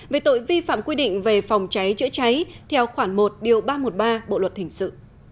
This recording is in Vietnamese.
về tội vi phạm quy định về phòng cháy chữa cháy theo khoản một điều ba trăm một mươi ba bộ luật hình sự